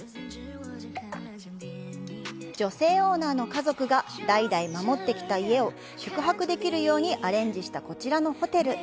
女性オーナーの家族が代々守ってきた家を宿泊できるようにアレンジしたこちらのホテル。